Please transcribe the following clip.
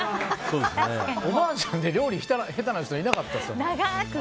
おばあちゃんって料理下手な人いなかったですよ。